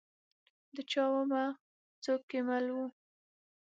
د چا ومه؟ څوک کې مل وه ؟